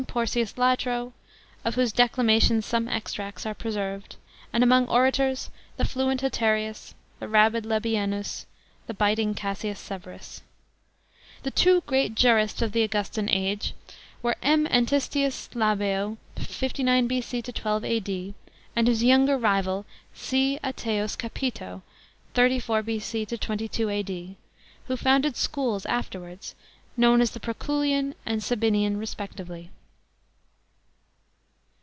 Porcius Latro, of whose declamations some extracts are preserved; and among orators, the fluent Haterius, the rabid Labienus,t the biting Cassius Severus. The two great jurists of the Augustan age were M. Antistius Labeo (59 B.C. 12 A.D.), and his younger rival C. Ateius Capito (34 B.C. 22 A.D.), who founded schools afterwards known as the Proculian and Sabinian respectively.